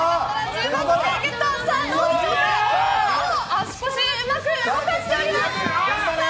足腰うまく使っております！